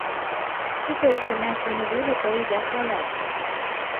– Шукы ӹштӹмӓш доно веле тӓ идӓ хвалялт.